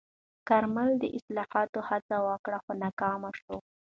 کارمل د اصلاحاتو هڅه وکړه، خو ناکامه شوه.